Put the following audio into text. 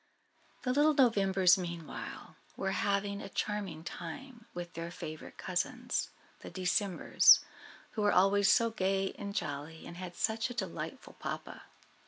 The little Novembers, meanwhile, were having a charming time with their favourite cousins, the Decembers, who were always so gay and jolly, and had such a delightful papa.